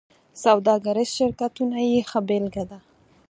سوداګریز شرکتونه یې ښه بېلګه ده.